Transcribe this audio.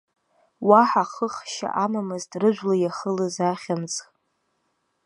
Уаҳа хыхшьа амамызт рыжәла иахылаз ахьымӡӷ.